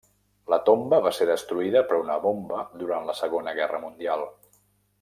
La tomba va ser destruïda per una bomba durant la segona guerra mundial.